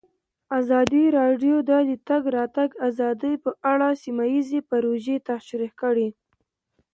ازادي راډیو د د تګ راتګ ازادي په اړه سیمه ییزې پروژې تشریح کړې.